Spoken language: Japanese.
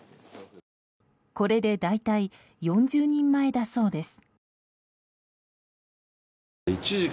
これで大体４０人前だそうです。